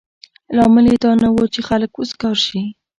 لامل یې دا نه و چې خلک وزګار شي.